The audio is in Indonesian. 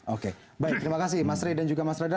oke baik terima kasih mas rey dan juga mas radar